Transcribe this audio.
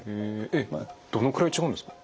えっどのくらい違うんですか？